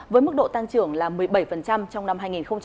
với mức độ tăng trưởng là một mươi bảy trong năm hai nghìn một mươi tám